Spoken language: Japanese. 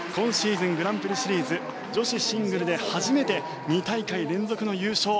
今シーズン、グランプリシリーズ女子シングルで初めて２大会連続の優勝。